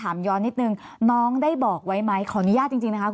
มันทิ้งระยะเวลานานไหมคะ